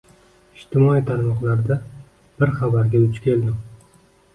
Ijtimoiy tarmoqlarda bir xabarga duch keldim